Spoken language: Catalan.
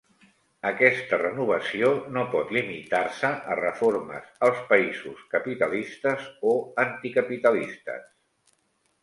Aquesta renovació no pot limitar-se a reformes als països capitalistes o anticapitalistes;